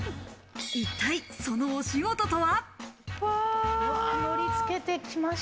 一体そのお仕事とは？